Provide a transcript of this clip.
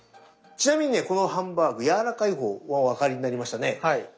ちなみにねこのハンバーグやわらかい方はお分かりになりましたね。